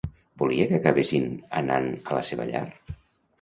Volia que acabessin anant a la seva llar?